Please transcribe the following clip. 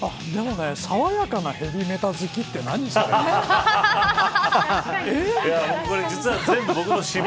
いや、でもね、さわやかなヘヴィメタ好きって、何それ。